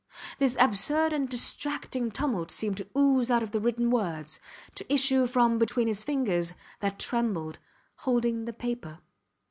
This absurd and distracting tumult seemed to ooze out of the written words, to issue from between his very fingers that trembled, holding the paper.